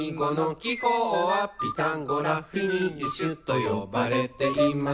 「ピタゴラフィニッシュと呼ばれています」